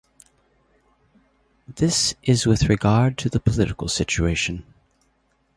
This is with regard to the political situation.